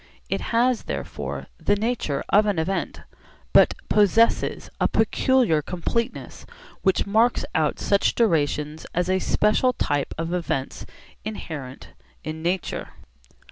It has therefore the nature of an event, but possesses a peculiar completeness which marks out such durations as a special type of events inherent in nature.